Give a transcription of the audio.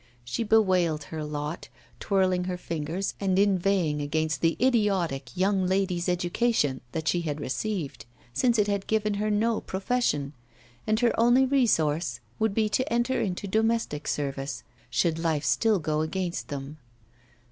She bewailed her lot, twirling her fingers and inveighing against the idiotic young lady's education that she had received, since it had given her no profession, and her only resource would be to enter into domestic service, should life still go against them.